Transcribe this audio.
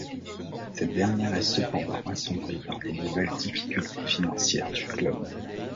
Cette dernière est cependant assombrie par les nouvelles difficultés financières du club.